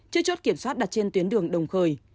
chưa chốt kiểm soát đặt trên tuyến đường đồng khởi